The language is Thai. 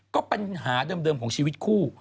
ก็ปัญหาเดิมของชีวิตคู่